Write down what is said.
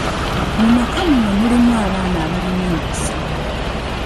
Mu maka muno mulimu abaana abalina empisa.